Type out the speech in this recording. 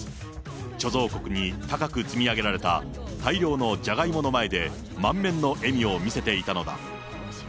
貯蔵庫に高く積み上げられた大量のじゃがいもの前で、満面の笑みを見せていたのだ。